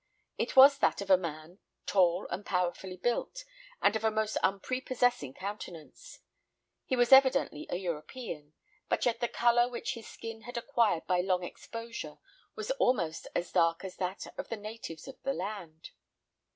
It was that of a man, tall, and powerfully built, and of a most unprepossessing countenance. He was evidently a European, but yet the colour which his skin had acquired by long exposure was almost as dark as that of one of the natives of the land.